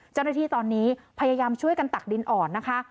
เจ้าหน้าที่ตอนนี้พยายามช่วยกันตักดินอ่อนนะคะ